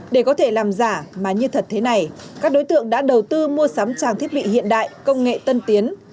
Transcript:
để có thể làm giả mà như thật thế này các đối tượng đã đầu tư mua sắm trang thiết bị hiện đại công nghệ tân tiến